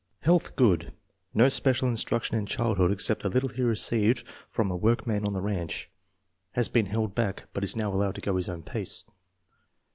Health good. No special instruc tion in childhood except the little he received from a workman on the ranch. Has been held back, but is now allowed to go his own pace.